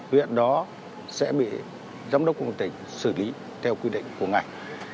huyện đó sẽ bị giám đốc công an tỉnh xử lý theo quy định của ngành